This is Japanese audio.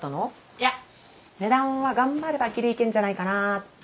いや値段は頑張ればギリいけるんじゃないかなって